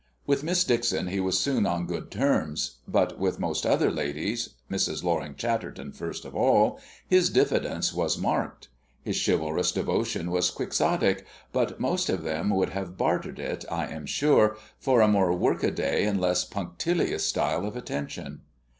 With Miss Dixon he was soon on good terms, but with most other ladies, Mrs. Loring Chatterton first of all, his diffidence was marked. His chivalrous devotion was Quixotic, but most of them would have bartered it, I am sure, for a more work a day and less punctilious style of attention.